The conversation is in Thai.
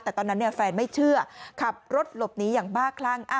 แต่ตอนนั้นแฟนไม่เชื่อขับรถหลบหนีอย่างบ้าคลั่ง